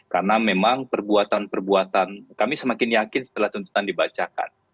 karena memang perbuatan perbuatan kami semakin yakin setelah tuntutan dibacakan